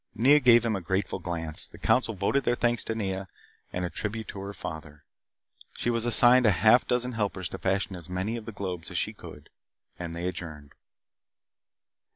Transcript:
Nea gave him a grateful glance. The council voted their thanks to Nea and a tribute to her father. She was assigned a half dozen helpers to fashion as many of the globes as she could. They adjourned.